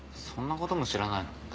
そんなことも知らないの？